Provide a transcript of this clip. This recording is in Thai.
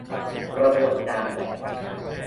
กระบวนการแบบ